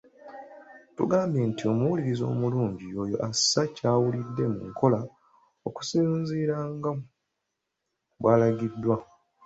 Tugambyenti omuwuliriza omulungi y’oyo assa ky’awulidde mu nkola okusinziira nga bw’alagiddwa.